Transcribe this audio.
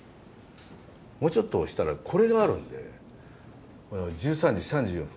もうちょっとしたらこれがあるんでこの１３時３４分。